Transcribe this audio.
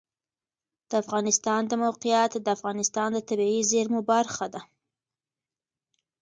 د افغانستان د موقعیت د افغانستان د طبیعي زیرمو برخه ده.